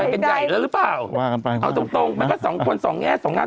อย่าต่อหิดใจว่าคำไปเอาตรงมันก็สองคนสองแง่สองงาม